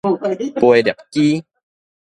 飛攝機